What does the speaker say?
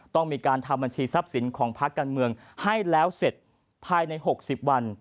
ต้องมีการทำบัญชีทรัพย์สินของพักการเมืองให้แล้วเสร็จภายใน๖๐วัน